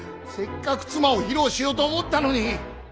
せっかく妻を披露しようと思ったのに。